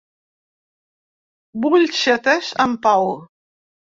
Vull ser atés en pau.